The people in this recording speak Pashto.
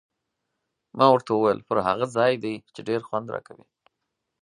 ما ورته وویل: پر هغه ځای دې، چې ډېر خوند راکوي.